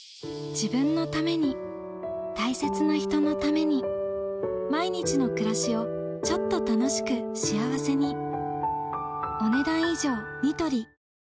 自分のために大切な人のために毎日の暮らしをちょっと楽しく幸せに「サクセス」